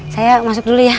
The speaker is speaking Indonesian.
saya masuk dulu ya